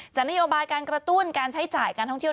นโยบายการกระตุ้นการใช้จ่ายการท่องเที่ยว